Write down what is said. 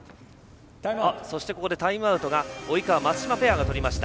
ここでタイムアウト及川、松島ペアが取りました。